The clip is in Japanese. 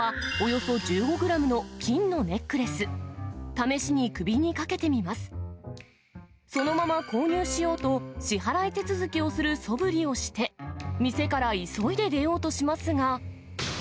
そのまま購入しようと、支払い手続きをするそぶりをして、店から急いで出ようとしますが。